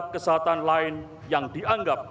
kesahatan lain yang dianggap